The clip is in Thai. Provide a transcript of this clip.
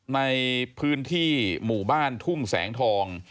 ในพื้นที่หมู่บ้านทุ่งแสงทอง